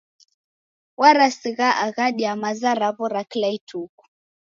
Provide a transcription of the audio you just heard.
W'asarighaa aghadi ya maza raw'o ra kila ituku.